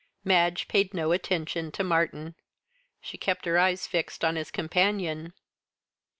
Madge paid no attention to Martyn. She kept her eyes fixed on his companion.